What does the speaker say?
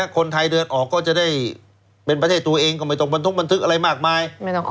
คนไทยเดินออกก็จะได้เป็นประเทศตัวเองก็ไม่ต้องบรรทุกบันทึกอะไรมากมาย